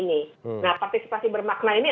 nah partisipasi bermakna ini